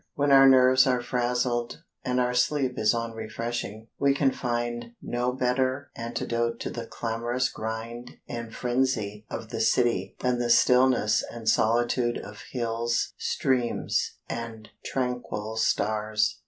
When our nerves are frazzled and our sleep is unrefreshing, we can find no better antidote to the clamorous grind and frenzy of the city than the stillness and solitude of hills, streams, and tranquil stars.